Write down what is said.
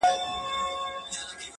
يوه زاړه، يوه تک تور، يوه غریب ربابي.!